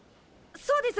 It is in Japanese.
そうです！